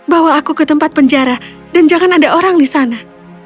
bawa aku ke tempat penjara dan jangan ada orang di sana